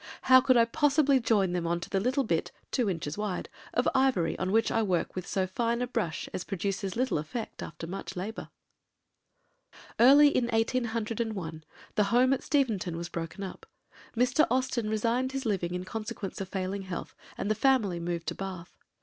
How could I possibly join them on to the little bit (two inches wide) of ivory on which I work with so fine a brush as produces little effect after much labour?" Early in 1801 the home at Steventon was broken up. Mr. Austen resigned his living in consequence of failing health, and the family removed to Bath.